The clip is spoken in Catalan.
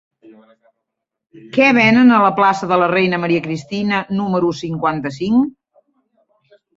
Què venen a la plaça de la Reina Maria Cristina número cinquanta-cinc?